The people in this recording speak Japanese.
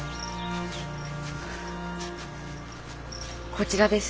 こちらです。